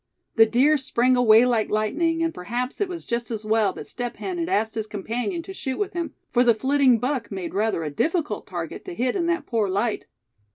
The deer sprang away like lightning, and perhaps it was just as well that Step Hen had asked his companion to shoot with him; for the flitting buck made rather a difficult target to hit in that poor light.